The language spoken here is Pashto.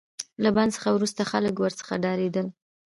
له بند څخه وروسته خلک ورڅخه ډاریدل.